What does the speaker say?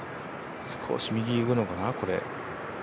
少し右いくのかな、これ。